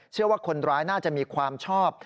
เชื่อว่าคนร้ายน่าจะมีความชอบ